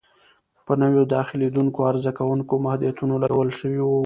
په نویو داخلېدونکو عرضه کوونکو محدودیتونه لګول شوي وي.